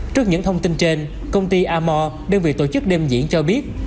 trước những thông tin trên công ty amore đơn vị tổ chức đêm diễn cho biết